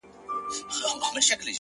نن د سيند پر غاړه روانــــېـــــــــږمه’